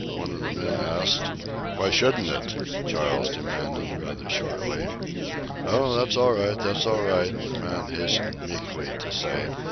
one of the men asked. "Why shouldn't it?" Charles demanded rather shortly. "Oh, that's all right, that's all right," the man hastened meekly to say.